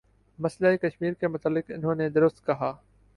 مسئلہ کشمیر کے متعلق انہوں نے درست کہا